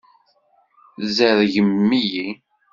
Tzerrgem-iyi.